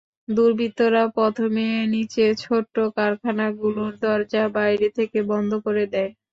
দুর্বৃত্তরা প্রথমে নিচে ছোট কারখানাগুলোর দরজা বাইরে থেকে বন্ধ করে দেয়।